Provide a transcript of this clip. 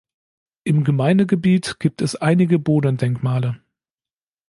Im Gemeindegebiet gibt es einige Bodendenkmale.